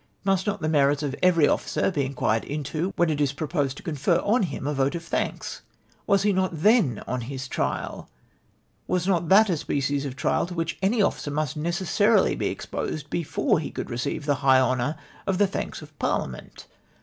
jMust not the merits of every officer be inquired into when it is proposed to confer on him a vote of thanks ? Was he not tlien on his trial ? W^as not that a species of trial to which any officer must necessarily be exposed before he could receive the high honour of the thanks of Parliament?